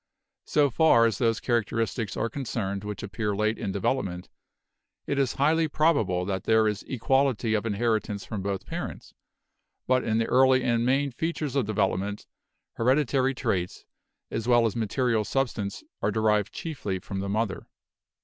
So far as those characteristics are concerned which appear late in development, it is highly probable that there is equality of inheritance from both parents, but in the early and main features of development, hereditary traits, as well as material substance, are derived chiefly from the mother.